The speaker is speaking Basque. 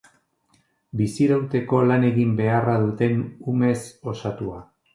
Bizirauteko lan egin beharra duten umez osatua.